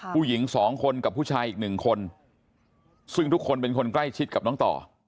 ผู้หญิงสองคนกับผู้ชายอีกหนึ่งคนซึ่งทุกคนเป็นคนใกล้ชิดกับน้องต่อ